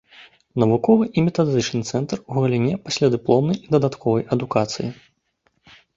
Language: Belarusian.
Навуковы і метадычны цэнтр у галіне паслядыпломнай і дадатковай адукацыі.